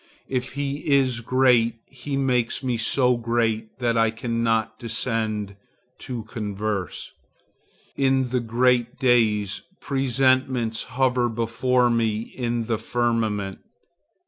If he is great he makes me so great that I cannot descend to converse. In the great days, presentiments hover before me in the firmament.